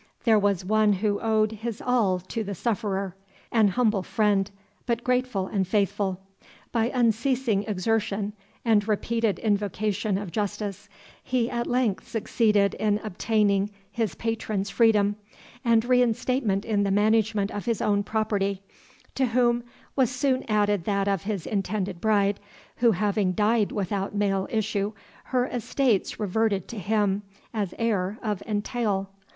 There was one who owed his all to the sufferer, an humble friend, but grateful and faithful. By unceasing exertion, and repeated invocation of justice, he at length succeeded in obtaining his patron's freedom, and reinstatement in the management of his own property, to which was soon added that of his intended bride, who having died without male issue, her estates reverted to him, as heir of entail.